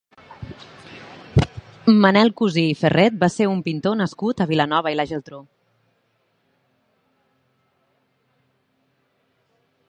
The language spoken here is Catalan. Manuel Cusí i Ferret va ser un pintor nascut a Vilanova i la Geltrú.